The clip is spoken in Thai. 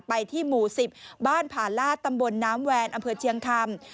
ไปที่หมู่๑๐บ้านผาลาตำบลน้ำแวนอำเภอเชียงคำ